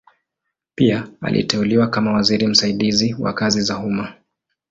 Pia aliteuliwa kama waziri msaidizi wa kazi za umma.